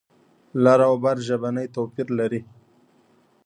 لر او بر ژبنی توپیر لري.